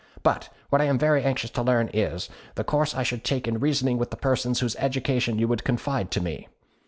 But what I am very anxious to learn is, the course I should take in reasoning with the persons whose education you would confide to me.